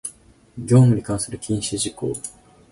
業務に関する禁止事項